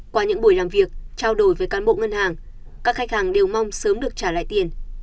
qua những buổi làm việc trao đổi với cán bộ ngân hàng các khách hàng đều mong sớm được trả lại tiền